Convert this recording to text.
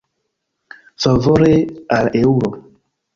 Favore al eŭro.